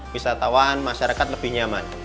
wisatawan masyarakat lebih nyaman